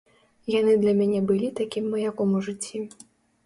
Яны для мяне былі такім маяком у жыцці.